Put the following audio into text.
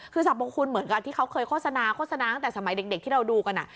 คือสรรพคุณเหมือนกับที่เขาเคยโฆษณาโฆษณาตั้งแต่สมัยเด็กที่เราดูกัน